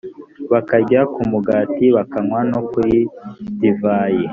bakarya ku mugati bakanywa no kuri divayi